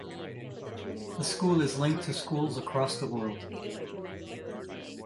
The school is linked to schools across the world.